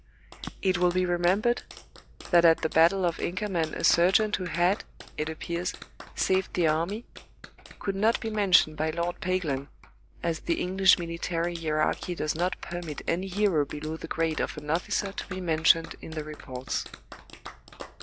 It will be remembered, that at the battle of Inkermann a sergeant who had, it appears, saved the army, could not be mentioned by Lord Paglan, as the English military hierarchy does not permit any hero below the grade of an officer to be mentioned in the reports.